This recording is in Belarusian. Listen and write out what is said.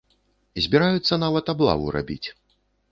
Збіраюцца нават аблаву рабіць.